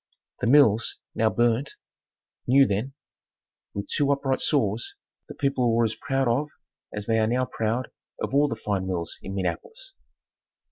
The mills (now burned) new then, with two upright saws, the people were as proud of as they are now proud of all the fine mills in Minneapolis.